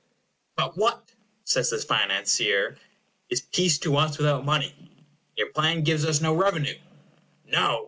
But what, says the financier, is peace to us without money? Your plan gives us no revenue. No!